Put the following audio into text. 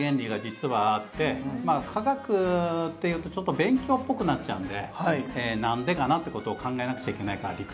まあ科学っていうとちょっと勉強っぽくなっちゃうんで「なんでかな？」って事を考えなくちゃいけないから理屈。